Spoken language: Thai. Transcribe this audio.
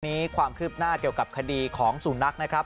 วันนี้ความคืบหน้าเกี่ยวกับคดีของสูญนักนะครับ